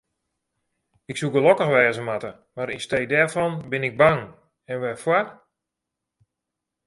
Ik soe gelokkich wêze moatte, mar yn stee dêrfan bin ik bang, en wêrfoar?